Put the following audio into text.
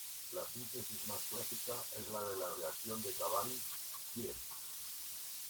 La síntesis más clásica es la de la reacción de Kabachnik–Fields.